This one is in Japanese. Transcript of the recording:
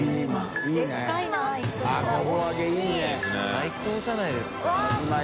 最高じゃないですか。